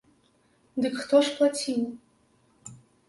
Дык хто ж плаціў?